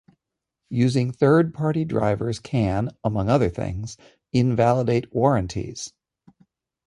Using third party drivers can, among other things, invalidate warranties.